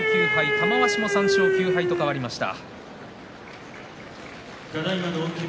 玉鷲も３勝９敗と変わりました。